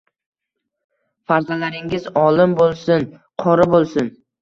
Farzandlaringiz olim boʻlsin, qori boʻlsin.